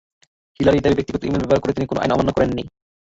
হিলারির দাবি, ব্যক্তিগত ই-মেইল ব্যবহার করে তিনি কোনো আইন অমান্য করেননি।